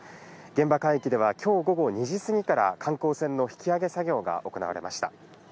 現場海域ではきょう午後２時過ぎから、観光船の引き揚げ作業が行われました。